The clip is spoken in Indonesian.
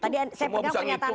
tadi saya pegang kenyataan anda